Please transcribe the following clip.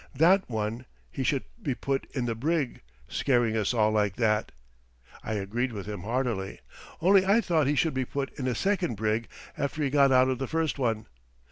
"That one, he should be put in the brig scaring us all like that!" I agreed with him heartily, only I thought he should be put in a second brig after he got out of the first one.